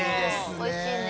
おいしいね。